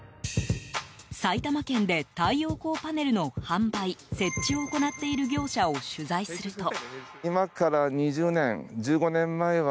埼玉県で太陽光パネルの販売、設置を行っている業者を取材すると。